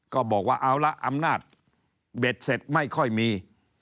ก็บอกว่าเอาละอำนาจเบ็ดเสร็จไม่ค่อยมี